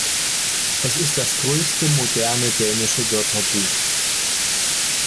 Es ist das größte moderne dänische Wörterbuch.